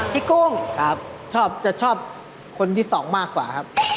พี่กุ้งครับจะชอบคนที่สองมากกว่าครับครับ